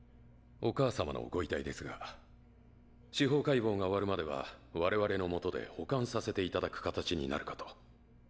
お母様のご遺体ですが司法解剖が終わるまでは我々のもとで保管させて頂く形になるかと。